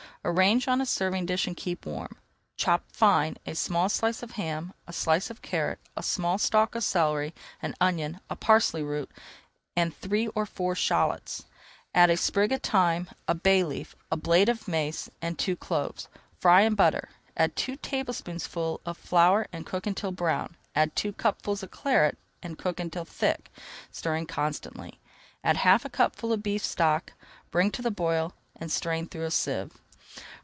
Arrange on a serving dish and keep warm. Chop fine a small slice of ham, a slice of carrot, a small stalk of celery, an onion, a parsley root, and three or four shallots. Add a sprig of thyme, a bay leaf, a blade of mace, and two cloves. Fry in butter, add two tablespoonfuls of flour and cook until brown. Add two cupfuls of Claret and cook until thick, stirring constantly. Add half a cupful of beef stock, bring to the boil, and strain through a sieve.